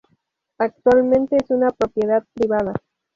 Actualmente es una propiedad privada.